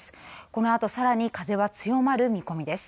このあとさらに風は強まる見込みです。